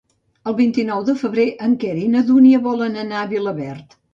El vint-i-nou de febrer en Quer i na Dúnia volen anar a Vilaverd.